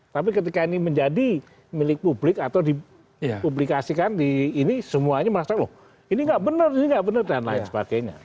tapi ketika ini menjadi milik publik atau dipublikasikan di ini semuanya merasa loh ini nggak benar ini nggak benar dan lain sebagainya